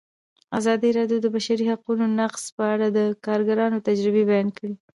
ازادي راډیو د د بشري حقونو نقض په اړه د کارګرانو تجربې بیان کړي.